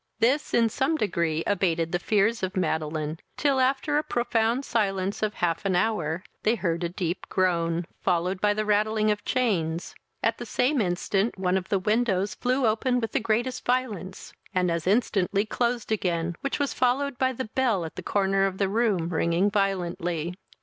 This, in some degree, abated the fears of Madeline, till, after a profound silence of half an hour, they heard a deep groan, followed by the rattling of chains; at the same instant one of the windows flew open with the greatest violence, and as instantly closed again, which was followed by the bell at the corner of the room ringing violently.